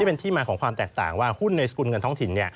เป็นที่มาของความแตกต่างว่าหุ้นในสกุลเงินท้องถิ่น